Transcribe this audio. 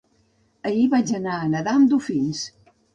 Ahir vaig anar a nedar amb dofins.